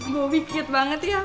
bobi cute banget ya